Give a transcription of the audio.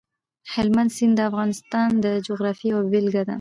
هلمند سیند د افغانستان د جغرافیې یوه بېلګه ده.